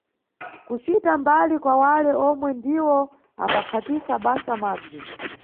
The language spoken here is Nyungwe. Kucita mbali kwa wale omwe ndiwo ambaphatisa basa madzi.